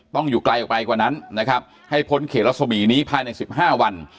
อยู่ไกลออกไปกว่านั้นนะครับให้พ้นเขตรัศมีนี้ภายใน๑๕วัน